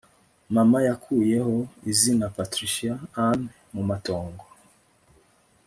mama yakuyeho izina patricia ann mu matongo